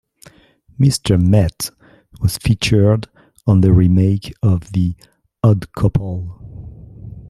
Mr. Met was featured on the remake of "The Odd Couple".